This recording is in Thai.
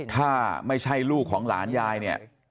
ถ้าไม่ใช่ลูกของหลานยายเนี่ย